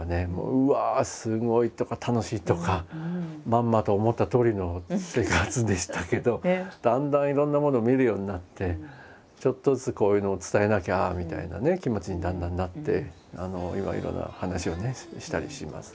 うわあすごいとか楽しいとかまんまと思ったとおりの生活でしたけどだんだんいろんなものを見るようになってちょっとずつこういうのを伝えなきゃみたいな気持ちにだんだんなって今のような話をしたりしますね。